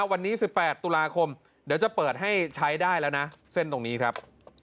วันนี้๑๘ตุลาคมเดี๋ยวจะเปิดให้ใช้ได้แล้วนะเส้นตรงนี้ครับ